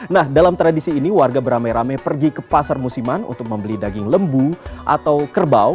nah dalam tradisi ini warga beramai ramai pergi ke pasar musiman untuk membeli daging lembu atau kerbau